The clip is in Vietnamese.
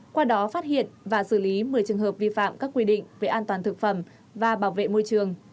qua đó phát hiện và xử lý một mươi trường hợp vi phạm các quy định về an toàn thực phẩm và bảo vệ môi trường